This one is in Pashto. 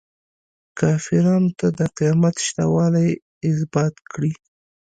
کافرانو ته د قیامت شته والی ازبات کړي.